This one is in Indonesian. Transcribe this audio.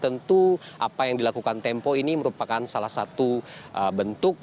tentu apa yang dilakukan tempo ini merupakan salah satu bentuk